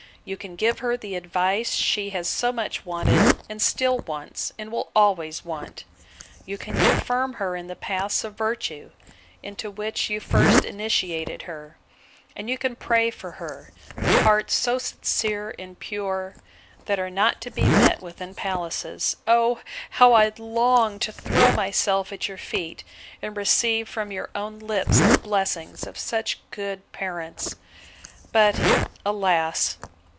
—You can give her the advice she has so much wanted, and still wants, and will always want: You can confirm her in the paths of virtue, into which you first initiated her; and you can pray for her, with hearts so sincere and pure, that are not to be met with in palaces!—Oh! how I long to throw myself at your feet, and receive from your own lips the blessings of such good parents! But, alas!